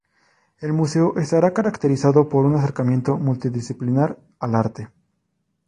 El Museo estará caracterizado por un acercamiento multidisciplinar al arte.